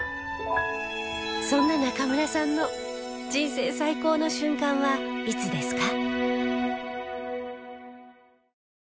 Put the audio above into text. そんな中村さんの人生最高の瞬間はいつですか？